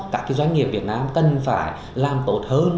các doanh nghiệp việt nam cần phải làm tốt hơn